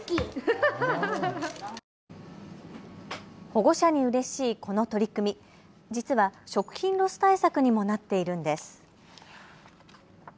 保護者にうれしいこの取り組み、実は食品ロス対策にもなっているんです。